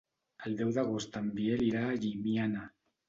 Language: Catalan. El deu d'agost en Biel irà a Llimiana.